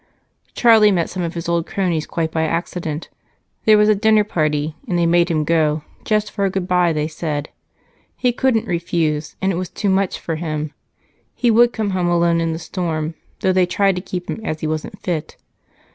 "Charlie met some of his old cronies, quite by accident; there was a dinner party, and they made him go, just for a good bye, they said. He couldn't refuse, and it was too much for him. He would come home alone in the storm, though they tried to keep him, as he wasn't fit.